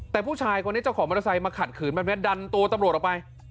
แต่ผู้ชายคนนี้เจ้าของมอเตอร์ไซค์มาขัดขืนแบบนี้ดันตัวตำรวจออกไป